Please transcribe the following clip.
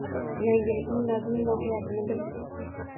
Yangilikning mazmun-mohiyatini bildik.